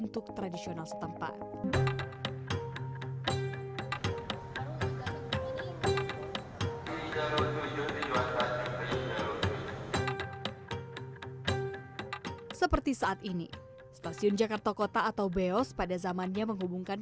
untuk tradisional setempat seperti saat ini stasiun jakarta kota atau beos pada zamannya menghubungkan